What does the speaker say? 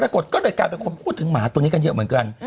ปรากฏก็เลยกลายเป็นคนพูดถึงหมาตัวนี้กันเยอะเหมือนกัน